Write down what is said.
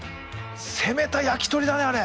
攻めた焼き鳥だねあれ！